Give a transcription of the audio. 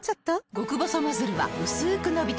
極細ノズルはうすく伸びて